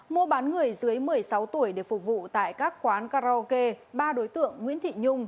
mua bán người dưới một mươi sáu tuổi để phục vụ tại các quán karaoke ba đối tượng nguyễn thị nhung